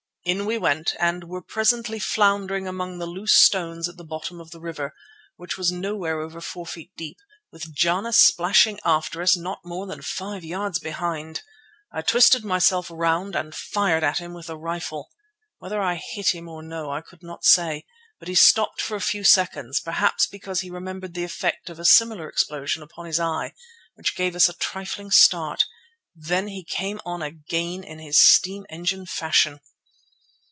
In we went and were presently floundering among the loose stones at the bottom of the river, which was nowhere over four feet deep, with Jana splashing after us not more than five yards behind. I twisted myself round and fired at him with the rifle. Whether I hit him or no I could not say, but he stopped for a few seconds, perhaps because he remembered the effect of a similar explosion upon his eye, which gave us a trifling start. Then he came on again in his steam engine fashion.